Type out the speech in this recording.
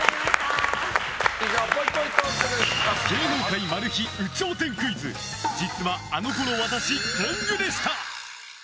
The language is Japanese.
芸能界マル秘有頂天クイズ実はあの頃わたし天狗でした。